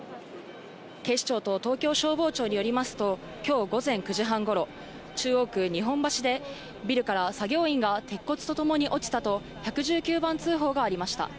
警視庁と東京消防庁によりますと、きょう午前９時半ごろ、中央区日本橋でビルから作業員が鉄骨とともに落ちたと１１９番通報がありました。